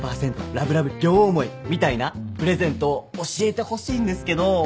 ラブラブ両思いみたいなプレゼントを教えてほしいんですけど。